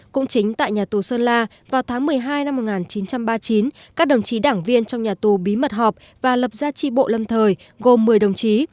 cũng chính tại nhà tù sơn la vào tháng một mươi hai năm một nghìn chín trăm ba mươi chín các đồng chí đảng viên trong nhà tù bí mật họp và lập ra tri bộ lâm thời gồm một mươi đồng chí